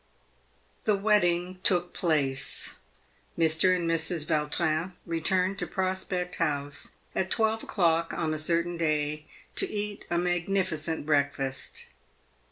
The wedding took place. Mr. and Mrs. Yautrin returned to Prospect House at twelve o'clock on a certain day to eat a magnifi cent breakfast.